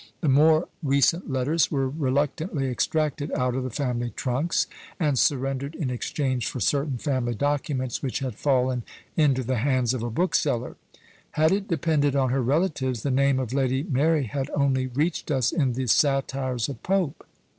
The more recent letters were reluctantly extracted out of the family trunks, and surrendered in exchange for certain family documents, which had fallen into the hands of a bookseller. Had it depended on her relatives, the name of Lady Mary had only reached us in the satires of Pope.